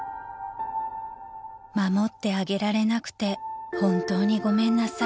［「守ってあげられなくて本当にごめんなさい」］